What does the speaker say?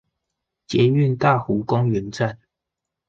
捷運大湖公園站